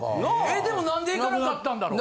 えっでも何で行かなかったんだろ？